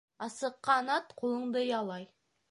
Асыҡҡан ат ҡулыңды ялай